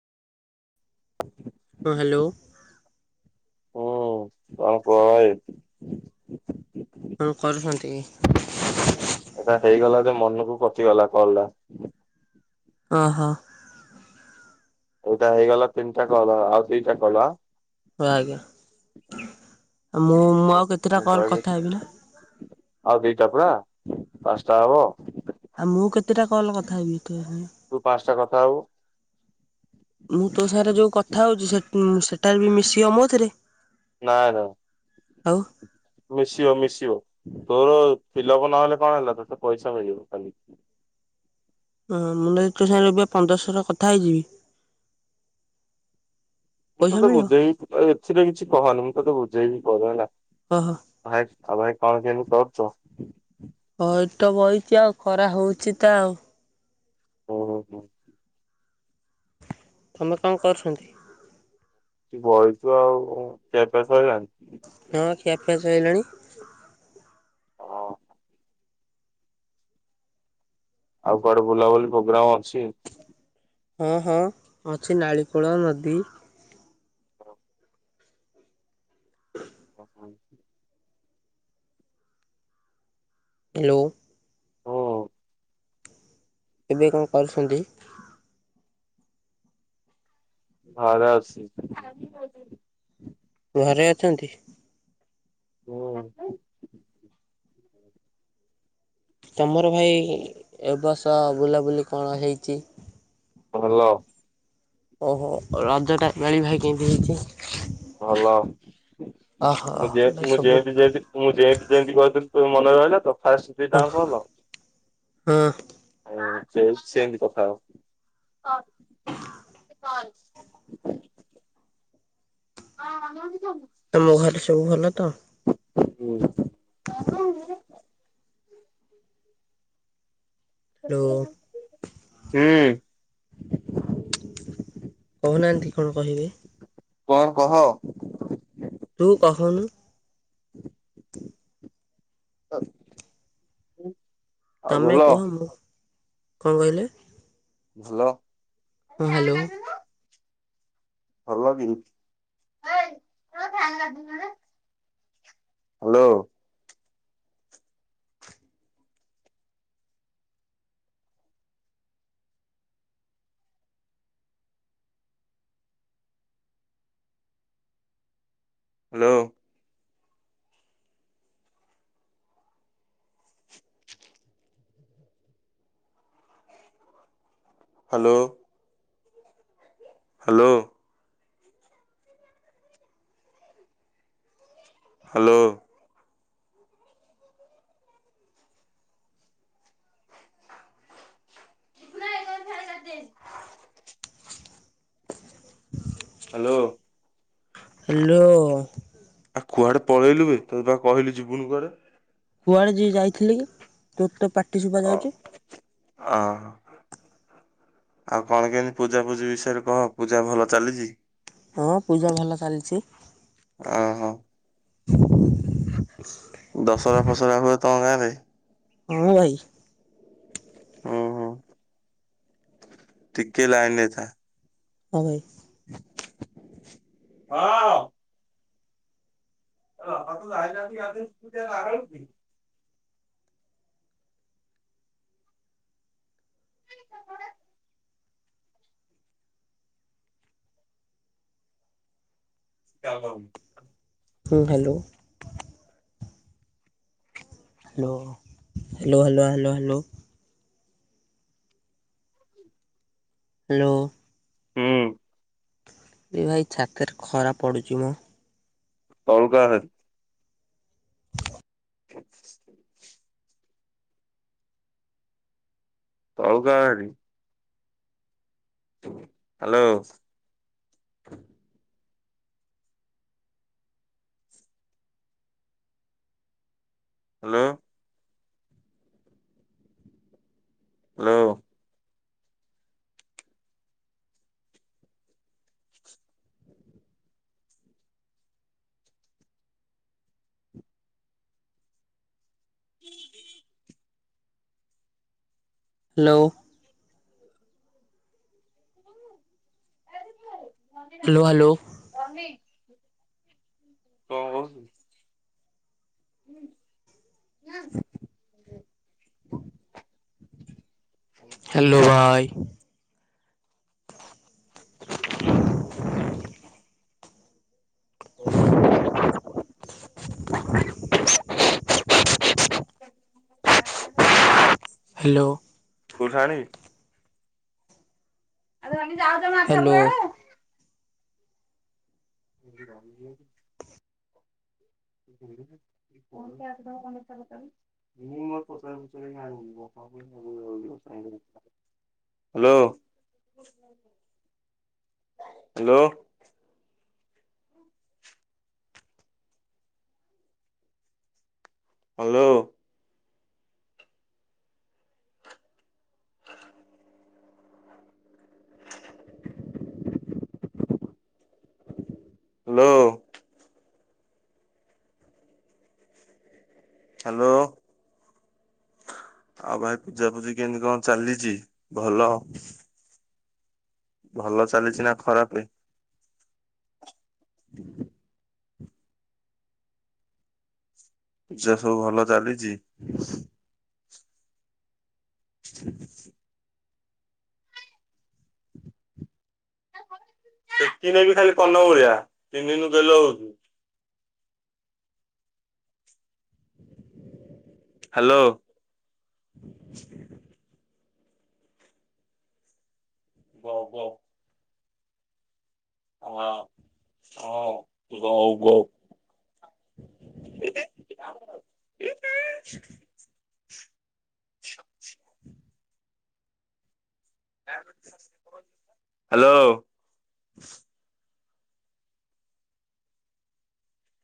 [inaudible] ହଁ ହ୍ୟାଲୋ। ହଁ କୁହ ଭାଇ। କଣ କରୁଛନ୍ତି କି? ଏଟା ହେଇଗଲା ଯେ ମନକୁ ପଚିଗଲା କଲ ଟା। ଓହୋ। ଏଇଟା ହେଇଗଲା ତିନିଟା କଲ ଆଉ ଦିଟା କଲ। ହ ଆଜ୍ଞା ମୁଁ ମୁଁ ଆଉ କେତେଟା ମୁ କଲ୍ କଥା କହିବି ହେବି ନା ଆଉ ଦିଟା ପା ପାଞ୍ଚଟା ହବ। ଆଉ ମୁଁ କେତେଟା କଲ କଥା ହେବି ତୋ ସାଙ୍ଗେ। ତୁ ପାଞ୍ଚଟା କଥା ହବୁ। ମୁଁ ତୋ ସାଙ୍ଗରେ ଯୋଉ କଥା ହଉଛି ସେମ ସେଟାରେ ବି ମିଶିବ ମୋ ଏଥିରେ। ନା ନା। ଆଉ। ମିଶିବ ମିଶିବ ତୋର ଫିଲଅପ ନହେଲେ କଣ ହେଲା ତୋତେ ପଇସା ମିଳିବ କାଲି। ହଁ ମୁଁ ନହେଲେ ତୋ ସାଙ୍ଗରେ ପୁରା ପନ୍ଦରଥର କଥା ହେଇଯିବି। ମୁଁ ପଇସା ତୋତେ ମିଳିବ? ବୁଝେଇ ଏଥିରେ କିଛି କହନି ମୁଁ ତୋତେ ବୁଝେଇବି ପରେ ହେଲା। ଓହୋ। ଭାଇ ଆଉ ଭାଇ କଣ କେମିତି କରୁଛ? ହଁ ଏଇଠି ତ ବଇଚି ଆଉ ଖରା ହୋଉଛି ତ ଆଉ। ଓହୋ ହୋ। ତମେ କଣ କରୁଛନ୍ତି? ବଇଛୁ ଆଉ କଣ? ଖିଆ ପିଆ ସରିଲାଣି? ହଁ ଖିଆପିଆ ସରିଲାଣି। ହଁ ଆଉ କୁଆଡେ ବୁଲାବୁଲି ପ୍ରୋଗ୍ରାମ ଅଛି? ହଁ ହଁ ଅଛି ନାଳିକୋଳ ନଦୀ। ହଁ। ହ [unintelligible] ହ୍ୟାଲୋ। ହୁଁ ଏବେ କଣ କରୁଛନ୍ତି? ଘରେ ଅଛି। ଘରେ ଅଛନ୍ତି? ହୁଁ। ତମର ଭାଇ ଏ ବର୍ଷ ବୁଲାବୁଲି କଣ ହେଇଛି? ଭଲ। ଓହୋ। ରଜଟା ଏପାଳି ଭାଇ କେମିତି ହେଇଛି? ଭଲ। ଓହୋ ମୋ ଝିଅ ଭାଇ ଅଛି ମୋ ଝିଅ ସବୁ ଅଛି ସେଇଠି। ମୁଁ ଯେମତି ଯେମତି କହିଥିଲି ସବୁ ମନେ ରହିଲା ତ। ଫାଷ୍ଟ ହଁ ଦିଟାଙ୍କ କଲ। ହଁ ଓ ସେ ସେନନ୍ତି କଥା ହୋବୁ। କଣ [unintelligible] ତମ ଘରେ ସବୁ ଭଲ ତ? ହୁଁ। ହ୍ୟାଲୋ ହୁଁ। କହୁନାହାନ୍ତି କଣ କହିବେ? କଣ କହ? ତୁ କହୁନୁ। ଆଉ ତମେ ଭଲ କୁହ ମୁଁ କଣ କହିଲେ? ଭଲ। ହଁ ହ୍ୟାଲୋ। ଭଲ ବି। Hello. Hello. Hello. Hello. Hello. ତ ହେ କ ଖ ଯ [inaudible] [unintelligible] ହ୍ୟାଲୋ। ହାଲୋ। ଆଉ କୁଆଡେ ପଳେଇଲୁ ବେ ତତେ ପା କିହିଲି ଯିବୁନୁ କୁଆଡେ। କୁଆଡେ ଯି ଯାଇଥିଲି କି ତୋର ତ ପାଟି ଶୁଭା ଯାଉଚି। ହଁ। ଆଉ କଣ କେମିତି ପୂଜା ପୂଜି ବିଷୟରେ କହ ପୂଜା ଭଲ ଚାଲିଛି? ହଁ ପୂଜା ଭଲ ଚାଲିଛି। ଅ ହ ଦଶହରା ଫସହରା ହୁଏ ତମ ଗାଁ ରେ? ହଁ ଭାଇ ଓ ହୋ। ଟିକେ ଲାଇନରେ ଥା। ହଁ ଭାଇ। ହଁ। ହ ଆ ଯହାଲେନ୍ତି ଆଦିନ ତ ଲଗାଳ [inaudible] [unintelligible] ଣ [inaudible] [unintelligible] ହୁଁ hello. Hello hello hello hello hello. Hello. ହୁଁ। ଏ ଭାଇ ଛାତେରେ ଖରା ପଡୁଛି ମ [unintelligible] [unintelligible] [inaudible] ତଳକୁ ଆ ହେରି। ହ୍ୟାଲୋ। ହ୍ୟାଲୋ। ହ୍ୟାଲୋ। ହୁଁ [unintelligible] [inaudible] ହ୍ୟାଲୋ। [unintelligible] [inaudible] ହ୍ୟାଲୋ ହ୍ୟାଲୋ କଣ କହୁଚୁ? ହଁ ହଁ [inaudible] [unintelligible] [inaudible] ହ୍ୟାଲୋ ଭାଇ। [unintelligible] [unintelligible] [unintelligible] [inaudible] [unintelligible] ମୋର ଶହେ ଟଙ୍କା [unintelligible] ହ୍ୟାଲୋ। କୋଉଠୁ ଆଣିବି? ଆଲୋ ନାନି ଯାଉ hello. [unintelligible] [unintelligible] [unintelligible] Hello hello hello. [inaudible] Hello hello. ଆଉ ଭାଇ ପୂଜାପୂଜି କେମିତି କଣ ଚାଲିଛି ଭଲ? ଭଲ ଚାଲିଛି ନା ଖରାପେ? [inaudible] ପୂଜା ସବୁ ଭଲ ଚାଲିଛି। [inaudible] ସେକି ଦେବି ଖାଲି କର୍ଣ୍ଣମୁଲିଆ ଚିହ୍ନିନୁ ଗେଲ ହୋଉଛୁ। ହାଲୋ। [inaudible] ବ ବ ଅ ଆ ହ ଗଉ ଗଉ। [unintelligible] ହାଲୋ।